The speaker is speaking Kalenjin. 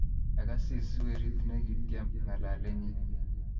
Ak Asisi, werit ne kitiem ngalalenyi